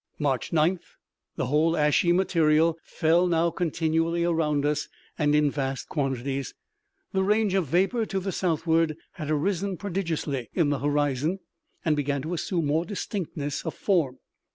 March 9th. The whole ashy material fell now continually around us, and in vast quantities. The range of vapor to the southward had arisen prodigiously in the horizon, and began to assume more distinctness of form.